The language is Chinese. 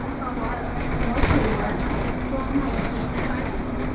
魔宠魔宠专卖店